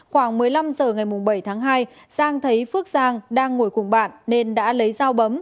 khoảng một mươi năm h ngày bảy tháng hai giang thấy phước giang đang ngồi cùng bạn nên đã lấy dao bấm